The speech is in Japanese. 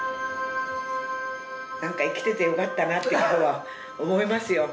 なんか生きててよかったなって今日は思いますよ